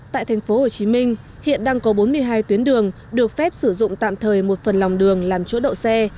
tại tp hcm hiện đang có bốn mươi hai tuyến đường được phép sử dụng tạm thời một phần lòng đường làm chỗ đậu xe